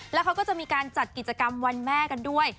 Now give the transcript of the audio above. แล้วเขาก็จะมีการจัดกิจกรรมวันแม่กันด้วย